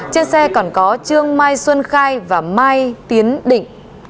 trên xe còn có trương mai xuân khai và mai tiến định